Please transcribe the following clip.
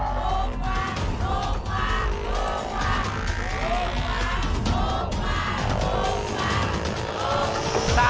อุปภัทร